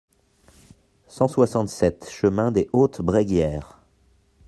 cent soixante-sept chemin des Hautes Bréguières